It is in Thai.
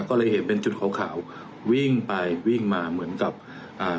ก็เลยเห็นเป็นจุดขาวขาววิ่งไปวิ่งมาเหมือนกับอ่า